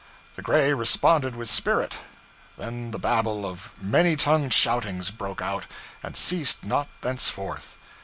The gray responded with spirit. Then the Babel of many tongued shoutings broke out, and ceased not thenceforth.